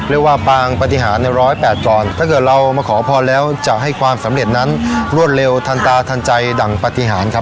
เรียกว่าปางปฏิหารใน๑๐๘ก่อนถ้าเกิดเรามาขอพรแล้วจะให้ความสำเร็จนั้นรวดเร็วทันตาทันใจดั่งปฏิหารครับ